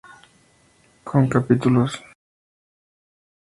Con capítulos.